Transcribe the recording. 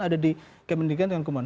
ada di kemendirian dan kemurahan